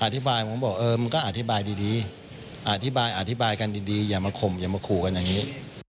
อธิบายผมบอกเออมันก็อธิบายดีอธิบายอธิบายกันดีอย่ามาข่มอย่ามาขู่กันอย่างนี้